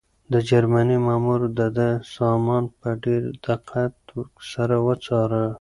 د جرمني مامور د ده سامان په ډېر دقت سره وڅاره.